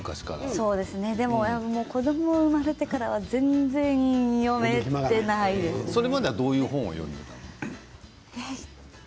そうですねでも子どもが生まれてからはそれまではどういう本を読んでいたの？